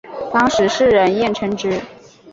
当时世人艳称之。